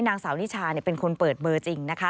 นางสาวนิชาเป็นคนเปิดเบอร์จริงนะคะ